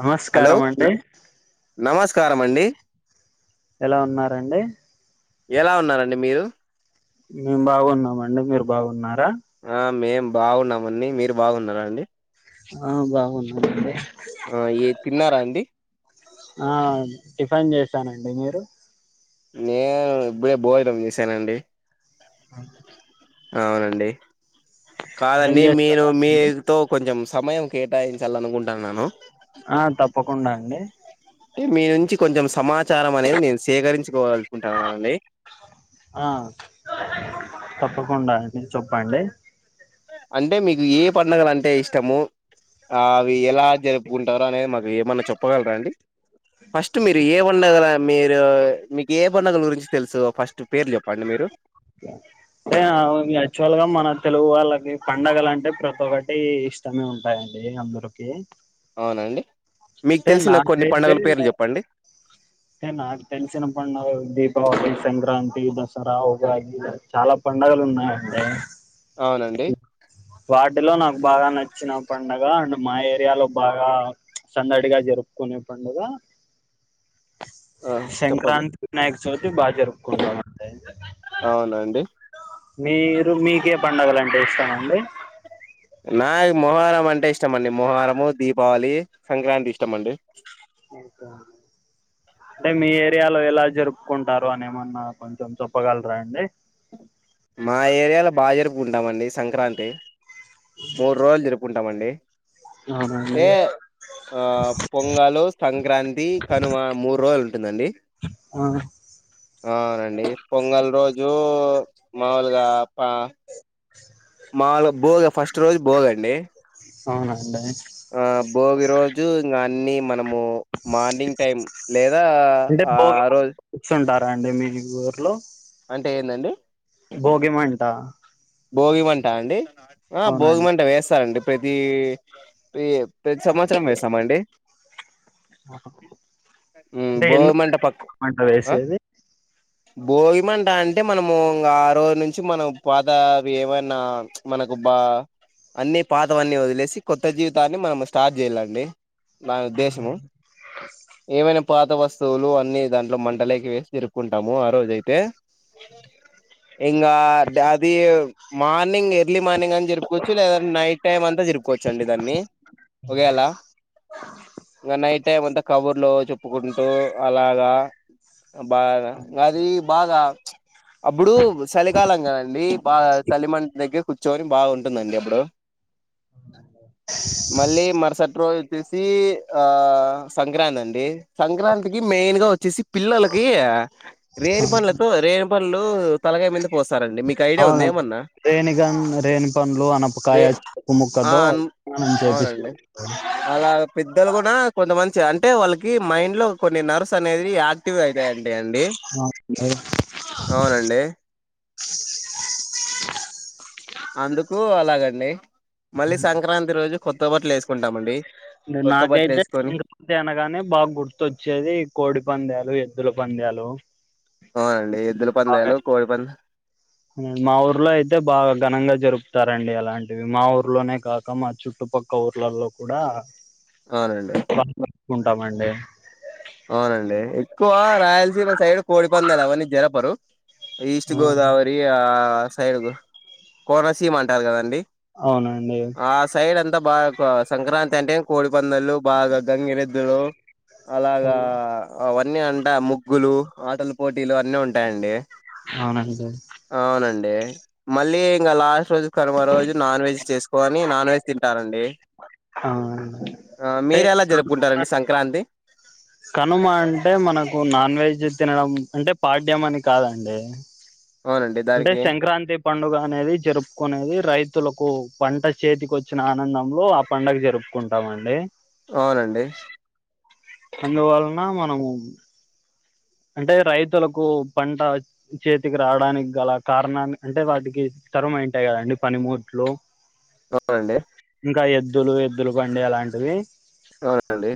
నమస్కామండి నమస్కారమండి ఎలా ఉన్నారండీ ఎలా ఉన్నారండి మీరు మేము బాగున్నామండి మీరు బాగున్నారా ఆ మేం బాగున్నమండి మీరు బాగున్నారా అండి ఆ బాగున్నానండి ఆ ఏ తిన్నారా అండి ఆ టిఫిన్ చేశానండి మీరు నేను ఇప్పుడే భోజనం చేసానండి ఆ అవునండి [inaudible] ఏం కాదండి మీరు చేస్తారా మీ అండి తో కొంచెం సమయం కేటాయించాలనుకుంటాన్నను ఆ తప్పకుండా అండి మీ నుంచి కొంచెం సమాచారం అనేది నేను సేకరించుకోవాలనుకుంటాననండి ఆ తప్పకుండా అండి చెప్పండి అంటే మీకు ఏ పండుగల అంటే ఇష్టము ఆ అవి ఎలా జరుపుకుంటారు అనేది మాకు ఏమన్నా చెప్పగలరా అండి ఫస్ట్ మీరు ఏ వండ కదా మీరు మీ ఏ పండగల గురించి తెలుసు ఫస్ట్ పేరు చెప్పండి మీరు అంటే యాక్చువల్గా మన తెలుగు వాళ్ళకి పండగలు అంటే ప్రతి ఒక్కటి ఇష్టమే ఉంటాయండి అందరికి అవునా అండి మీకు అంటే తెలిసిన కొన్ని నాకైతే పండుగల పేర్లు అంటే చెప్పండి నాకు తెల్సిన పండుగ దీపావళి సంక్రాంతి దసర ఉగాది చాల పండగలు ఉన్నాయండి అవునండి వాటిలో నాకు బాగ నచ్చిన పండుగ అంటే మా ఏరియాలో బాగా సందడిగా జరుపుకునే పండుగ ఆ చెప్పండి సంక్రాంతి వినాయకచవితి బాగా జరుపుకుంటాం అండి అవునండి మీరు మీకే పండుగలు అంటే ఇష్టామండి నాకు మొహర్రం అంటే ఇష్టమండి మొహరము దీపావళి సంక్రాంతి ఇష్టమండి [unintelligible] అంటే మీ ఏరియాలో ఎల జరుపుకుంటారు అని ఏమన్నా కొంచెం చెప్పగలర అండి మా ఏరియాలో బాగ జరుపుకుంటామండి సంక్రాంతి మూడు రోజులు జరుపుకుంటామండి అవునా అంటే అండి ఆ పొంగలు సంక్రాంతి కనుమ మూడు రోజులు ఉంటుందండి ఆ అవునండి పొంగల్ రోజు మాముూలుగా [unintelligible] [unintelligible] బోగ ఫస్ట్ రోజు భోగ అండి అవున అండి ఆ భోగి రోజు ఇంగ అన్ని మనము మార్నింగ్ టైం లేద ఆ ఆ రో [unintelligible] చుంటార అండి మీ ఊర్లో అంటే ఏందండి భోగి మంట భోగి మంట అండి ఆ భోగి అవునండి మంట వేస్తారండి ప్రతి ప్రతి సంవత్సరం వేస్తామండి ఉ అంటే భోగి మంట ప ఎందుకు మంట [unintelligible] వేసేది భోగిమంట అంటే మనము ఆ రోజు నుంచి మనం ప [unintelligible] అవి ఏవన్న మనకు బా అన్ని పాతవన్ని వదిలేసి కొత్త జీవితాన్ని మనం స్టార్ట్ చేయాలండి నా ఉద్దేశము ఏమైన పాత వస్తువులు అన్ని దాంట్లో మంటలేకి వేసి తిరుకుంటాము ఆ రోజ అయితే ఇంకా అది మార్నింగ్ ఎర్లీ మార్నింగ్ అని [unintelligible] [unintelligible] నైట్ టైం అంతా తిరుకోవచ్చండి దాన్ని ఒ [unintelligible] ఇంగ నైటే టైమ్ అంత కబుర్లు చెప్పుకుంటూ అలాగా బాగ అది బాగ అప్పుడు సలికాలం కదండి బాగ సలిమంట దగ్గర కూర్చొని బాగుంటుందండి అబ్బుడు మళ్ళీ మర్సట్రోజు వచ్చేసి ఆ సంక్రాంతి అండి సంక్రాంతికి మెయిన్గా వచ్చేసి పిల్లలకి ఆ [unintelligible] పండ్లతో రేను పండ్లు తలగాయ మీద పోస్తారండి మీకు ఐడియా అవును ఉందేమన్నా రేణిగన్ రేణి పండ్లు రే అన్పకాయ చెరుకు ఆ ముక్కతో [inaudible] వాళ్ళ పెద్దలు కూడా కొంత మంచి అంటే వాళ్ళకి మైండ్లో కొన్ని నర్వస్ అనేది యా ఎక్టివ్ అవుతాయంటండి అండి అవునండి. అవునండి అందుకు అలాగండి మళ్ళీ సంక్రాంతి రోజు కొత్త బట్లేసుకుంటమండి ఇంగ నాకైతే తి అనగానే బా గుర్తొచ్చేది కోడి పందాలు ఎద్దుల పందాలు అవునండి ఎద్దుల బాగా పందేలు కోడిపందేలు మా ఊర్లైతే బాగా ఘనంగా జరుపుతారండి అలాంటివి మా ఊర్లోనే కాక మా చుట్టుపక్క క ఊర్లల్లో కూడా అవునండి బా జరుపుకుంటాం అండి అవునండి ఎక్కువ రాయలసీమ సైడ్ కోడిపందాలు అవన్నీ జరపరు ఈస్ట్ గోదావరి ఆ సైడ్కు కోనసీమ అంటారు కదండి అవునండి ఆ సైడ్ అంతా బాగా సంక్రాంతి అంటే కోడిపందలు బాగా గంగిరెద్దులు అలాగా అవన్నీ అంటే ముగ్గులు ఆటల పోటీలు అన్నీ ఉంటాయండి అవునండి అవునండి మళ్ళీ ఇంగ లాస్ట్ రోజు కనుమ రోజు నాన్ వెజ్ చేస్కోని నాన్ వెజ్ తింటారండి ఆ ఆ మీరేలా అంటే జర్పుకుంటారండి సంక్రాంతి కనుమ అంటే మనకు నాన్ వెజ్ తినడం అంటే పాడ్యం అని కాదండి అవునండి అంటే దానికి సంక్రాంతి పండుగ అనేది జర్పుకునేది రైతులకు పంట చేతికోచ్చిన ఆనందంలో పండగ జర్పుకుంటామండి అవునండి అందువలన మనము అంటే రైతులకు పంట చేతికి రావడానికి గల కారణాన్ని అంటే వాటికి తరమంటాయి కదండి పనిమూట్లు అవునండి ఇంకా ఎద్దులు ఎద్దుల బండి అలాంటివి అవునండి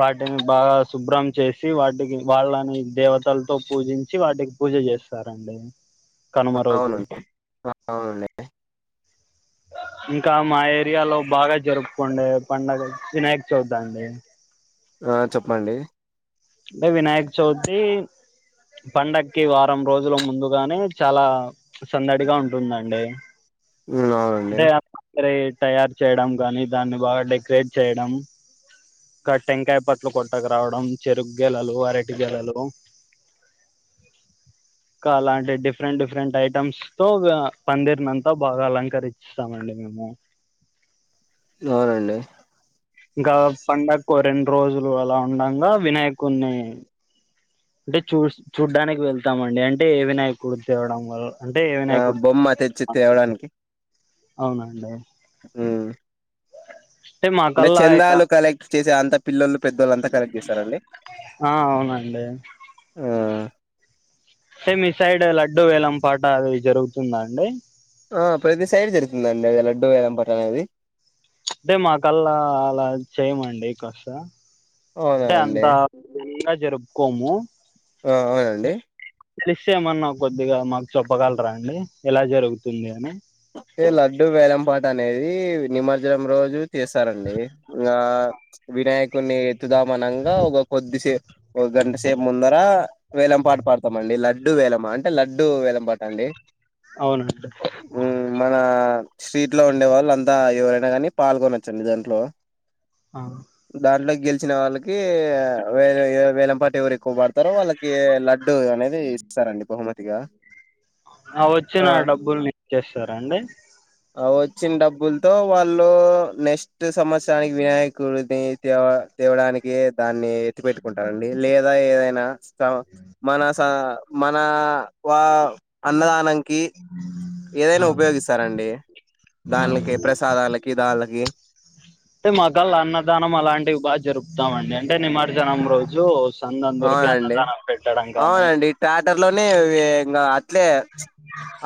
వాటిని బాగా శుభ్రం చేసి వాటికి వాళ్ళని దేవత్లతో పూజించి వాటికి పూజ చేస్తారండి కనుమ రోజు అవునండి అవునండి ఇంకా మా ఏరియాలో బాగా జర్పుకోండే పండుగ వినాయక చవితండి ఆహ్ చెప్పండి అంటే వినాయక చవితి పండగక్కి వారం రోజుల ముందుగానే చాలా సందడిగా ఉంటుందండి ఉమ్ అవున అంటే ఆ పందిరి తయారు చేయడం కానీ దాన్ని బాగా డెక్రేట్ చేయడం ఇంకా టెంకాయ పట్లు కొట్టక రావడం చెరుకు గేలలు అర్టి గెలలు ఇంకా అలాంటి డిఫరెంట్ డిఫరెంట్ ఐటెమ్స్ తో పందిరిని అంతా బాగా అలంకరిచి స్తాం అండి మేము ఎవరండీ ఇంకా పండక్కు రెండు రోజులు అలా ఉండగా వినాయకుని అంటే చూ చూడ్డానికి వెళ్తామండి అంటే ఏ వినాయకుడు తేవడం వల్ల అంటే ఆ వినాయకుడు బొమ్మ తెచ్చి తేవడానికి అవునండి ఉమ్ అంటే చందాలు కలెక్ట్ చేసే అంత పిల్లలు పెద్దవాళ్ళు అంతా కలెక్ట్ చేస్తారండి హ అవునండి ఆ సేమ్ ఈ సైడ్ లడ్డూ వేలం పాట అది జరుగుతుందా అండి ఆ ప్రతి సైడ్ జరుతుందండి అది లడ్డు వెలం పాట అనేది అంటే మాకల్లా అలా చేయమండి కస అవునా అంటే అంత అండి గ జరుపుకోము ఆ అవునండి ఫ్లాష్ ఏమన్నా కొద్దిగా మాకు చెప్పగలరా అండి ఎలా జరుగుతుంది అని అంటే లడ్డు వేలంపాట అనేది నిమజ్జనం రోజు చేస్తారండి ఇంగ వినాయకున్ని ఎత్తుదామనంగా ఒక కొద్దిసే ఒక గంట సేపు ముందర వేలం పాట పాడుతామండి లడ్డు వేలం అం టే లడ్డు వెలం పాట అండి అవునండి మ్మ్ మన స్ట్రీట్ లో ఉండే వాళ్ళు అంతా ఎవరైనా కానీ పాల్గొనవచ్చండి దాంట్లో ఆ దాంట్లో గెలిచిన వాళ్ళకి వే వేలంపాట ఎవరు ఎక్కువ పడుతారో వాళ్ళకి లడ్ డ్డు అనేది ఇస్తారండి బహుమతిగా వచ్చిన ఆ డబ్బులనిచ్చేస్తరా అండి ఆ వచ్చిన డబ్బులతో వాళ్ళు నెక్ క్స్ట్ సంవత్సరానికి వినాయకుడినీ తేవ తేవడానికి దాన్ని ఎత్తి పెట్టుకుంటారండి లేదా ఏదైనా స మన స మన వా అన్నదానానికి ఏదైనా ఆ ఉపయోగిస్తారండి దానికి అవునండి ప్రసాదాలకి దానిళకి అంటే మకళ అన్నదానం అలాంటివి బాగా జరుపుతామండి అంటే నిమజ్జనం రోజు సందందరికి అన్నదానం పెట్టడం గాని థయేటర్ లోనే ఇవి ఇంగ అట్లే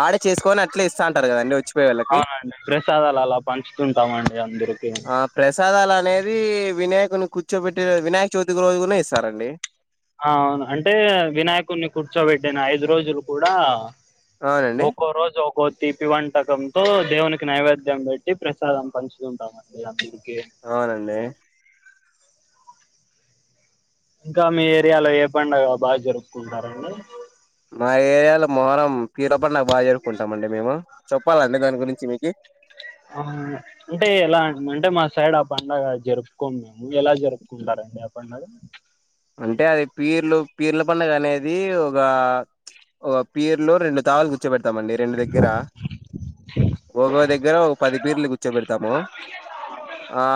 ఆడే చేసుకోని అట్లే ఇస్థంటారు కదండి వచ్చిపోయే వాళ్ళకి అవునండి ప్రసాదాలు అలా పంచుతుంటామండి అందరికి ఆ ప్రసాదాలు అనేది వినాయకుని కూర్చోబెట్టి వినాయక చవితికి రోజు కూడానే ఇస్తారండి అ అవును అంటే వినాయకుని కూర్చోబెట్టిన ఐదు రోజులు కూడా అవునండి ఒక్కో రోజు ఒక్ కో తీపి వంటకంతో దేవునికి నైవేద్యం పెట్టి ప్రసాదం పంచుతుంటామ డి అందరికి అవునండి ఇంకా మీ ఏరియాలో ఏ పండుగ బాగా జరుపుకుంటారండి మా ఏరియాలో మొహరం పిరిల పండుగ బాగా జరుకుంటాం అండి మేము చెప్పాలండి దాని గురించి మీకి ఆ అంటే ఎలా అంటే మా సైడ్ ఆ పండుగ జరుపుకోము మేము ఎలా జరుప్ కుంటారండి ఆ పండగ అంటే అది పీర్లు పీర్ల పండుగ అనేది ఒక ఒ పీర్లు రెండు తావలు కూర్చో పెతామండి రెండు దగ్గర. ఒక్కో దగ్గర ఒ పది పీర్లు కూర్చోబెడతాము. ఆ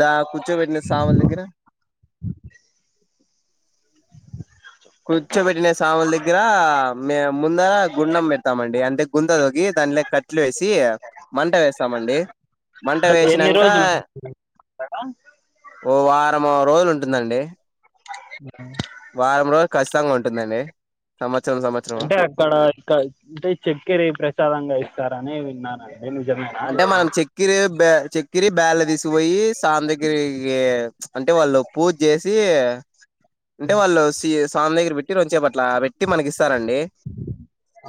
దా కూర్చోబెట్టిన సావల దగ్గర కూర్చో బెట్టిన సామల్ దగ్గరా మేం ముందర గుండం పెడ్తామండి అంటే గుంత తొగ్గి దాంట్లోకి కట్లు ఏసి మంట వేస్తామండి, మంట అంటే ఎన్ని వేశినంకా రోజులు ఓ వారం రోజులు ఉంటుందండి. [inaudible] వారం రోలు ఖచ్చితంగా ఉంటుందండి సంవత్సరం సంవత్సరం ఇక్కడ ఇక్కడ అంటే చెక్కెరె ప్రసాదంగా ఇస్తారని విన్నానం అదినిజమే అంటే మనం చెక్కిరి బె చెక్కిరి బ్యాల్లు తీసుకపోయి సాందగ్గరికి అంటే వాళ్ళు పూజ చేసి అంటే వాళ్ళు సి సామి దగ్గర పెట్టి కొద్సెప్ అట్ల పెట్ ట్టి మనకు ఇస్తారండి.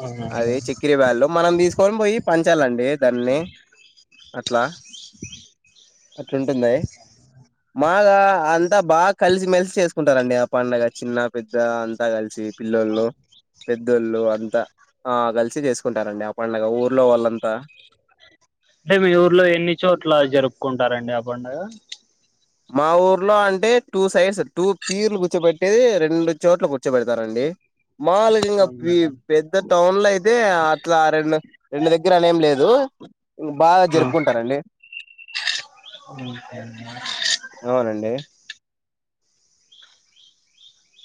అవునండి అది చెక్కిరి బ్యాల్లు మనం తీసుక్ కొని బోయ్ పంచాలండి దాన్ని. అట్లా అట్లుంటుంది. మాగ అంత బాగ కలిసి మెలిసి చేసుకుంటారండి ఆ పండగ చిన్న పెద్ద అంతా కలిసి. పిల్లోల్లు పెద్దోళ్ళు అంత ఆ కలిసి చేసుకుంటారండి అ పండగ ఊర్లో వాళ్ళంత. అంటే మీ ఊర్లో ఎన్ని చోట్ల జరుపుకుంటారండి ఆ పండగ. మా ఊర్లో అంటే టూ సైడ్స్ టూ పీర్ల్ కుర్చోబెట్టెయ్ రెండు చోట్ల కుర్చొబెడతారండి. మావుళ్గా ఇంగ పి పెద్ద టౌన్లొ అయితే ఇట్లా రెండు రెండు దగ్గర అనేం లేదు బాగా జరుపుకుంటరండి. ఉహు ఔనండి.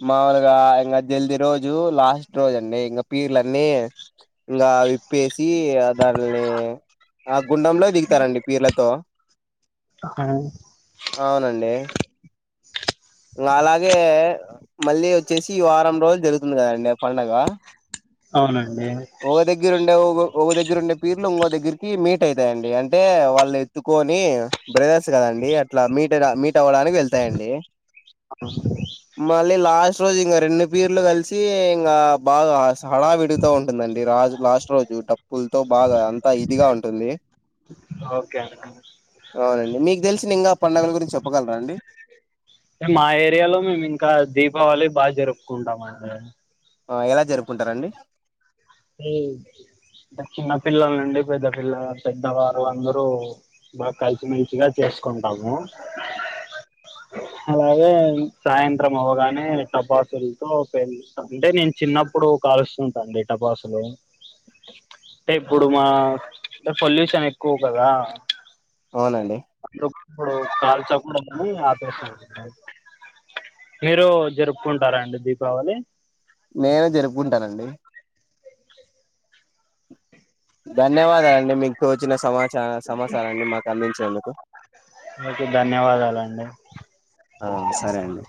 మావులుగా ఇంగ జల్ది రోజు లాస్ట్ రోజు అండి ఇంగ పీర్లన్నీ ఇంగా ప్పేసి ఆ దాన్ని ఆగుండంలో దిగుతారండి పీర్లతో. ఆ ఔనండి. ఇంగ అలాగే మళ్ళీ వచ్చేసి ఈ వారం రోలు జరుగుతుంది కదండి పండగ అవునండి. ఒ దగ్గర ఉండే ఒగ్ ఒ దగ్గర ఉండే పీర్లు ఇంగొ దగ్గరికి మీట్ అయితాయండి అంటే వాళ్ళు ఏత్తుకొని బ్రదర్స్ గదండి అట్ల మీట్ మీట్ అవ్వడానికి వెళ్తయండి. మళ్ళీ లాస్ట్ రోజు ఇంగ రెండు పీర్లు కలిసి ఇంగ బాగ స హడావిడితొ ఉం దండి రాజ్ లాస్ట్ రోజు డప్పుల్తో బాగ అంత ఇదిగా ఉంటుంది. ఓకే [inaudible] ఔనండి మీకు దెలిసిన ఇంగ పండగల గురించి చెప్పగలరా అండి. అంటే మా ఏరియాలో మేమ్ ఇంకా దీపావళి బాజరుపుకుంటాం అండి. ఆ ఎలా జరుపుకుంటరండి? ఉ చిన్న పిల్లల నుండి పెద్ద పిల్ల పెద్దవారు అందరూ బా కలిసి మెలిసిగా చేసుకుంటాము. [inaudible] అలాగే సాయంత్రం అవగానే టపాసులతో పేలుస్తా అంటే నేను చిన్నప్పు ఇప్పుడు కాలుస్తుంటండి టపాసులు అంటే ఇప్పుడు మా అంటె పొల్యూషన్ ఎక్కువ గదా అవునండి [unintelligible] మీరు జరుపుకుంటారండి దీపావళి మేము జరుపుకుంటానండి ధన్యవాదలండి మీకు తోచిన సమాచారం సమచారాన్ని మాకు అందించినందుకు మీకు ధన్యవాదాలండి ఆ సరే అండి